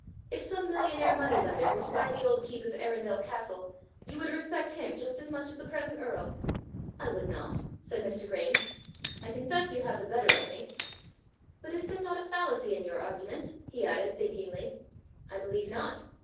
If some millionaire money lender were to buy the old keep of Arundel castle, you would respect him just as much as the present earl!" "I would not," said Mr. Graeme. "I confess you have the better of me. But is there not a fallacy in your argument?" he added, thinkingly. "I believe not.